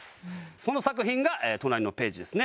その作品が隣のページですね。